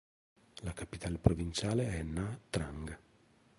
La capitale provinciale è Nha Trang.